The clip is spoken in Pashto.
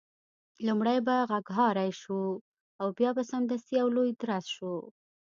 لومړی به غږهارۍ شو او بیا به سمدستي یو لوی درز شو.